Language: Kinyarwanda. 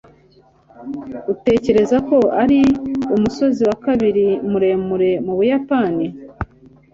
utekereza ko ari umusozi wa kabiri muremure mu buyapani